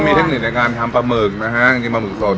มีเทคนิคในการทำปลาหมึกนะฮะจริงปลาหมึกสด